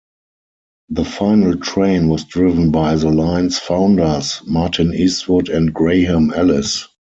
The final train was driven by the line's founders, Martin Eastwood and Graham Ellis.